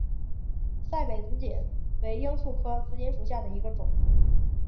赛北紫堇为罂粟科紫堇属下的一个种。